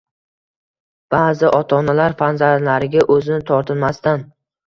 Ba’zi ota-onalar farzandlariga o‘zini tortinmasdan